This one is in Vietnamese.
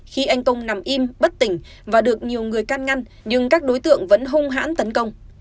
khi anh công nằm im bất tỉnh và được nhiều người can ngăn nhưng các đối tượng vẫn hung hãn tấn công